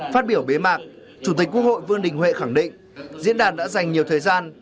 phát biểu bế mạc chủ tịch quốc hội vương đình huệ khẳng định diễn đàn đã dành nhiều thời gian